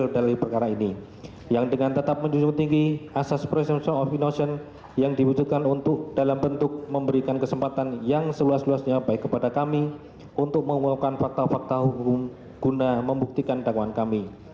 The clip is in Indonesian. dan juga untuk semua yang membutuhkan fakta fakta hubung guna membuktikan dakwaan kami